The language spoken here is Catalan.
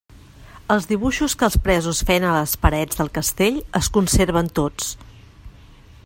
Els dibuixos que els presos feien a les parets del castell es conserven tots.